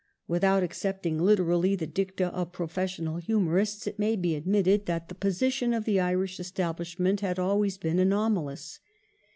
^ Without accepting literally the dicta of professional humorists, it may be admitted that the position of the Irish Establishment had always been anomalous.